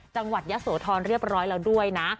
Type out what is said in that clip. จังหวัดยะโสธรเรียบร้อยแล้วด้วยนะ